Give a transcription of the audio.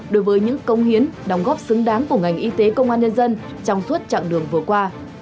đối với những công hiến đồng góp xứng đáng của ngành y tế công an nhân dân trong suốt chặng đường vừa qua